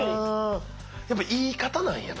やっぱ言い方なんやな。